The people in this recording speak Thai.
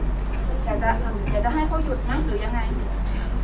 อยากจะให้เขาหยุดนั่งหรือยังไง